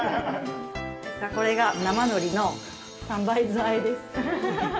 これが生のりの三杯酢あえです。